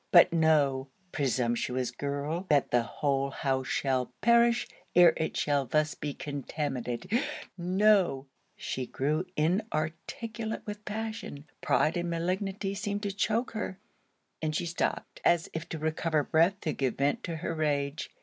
But know, presumptuous girl, that the whole house shall perish ere it shall thus be contaminated know' She grew inarticulate with passion; pride and malignity seemed to choak her; and she stopped, as if to recover breath to give vent to her rage.